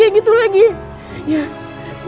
nanti kita berjalan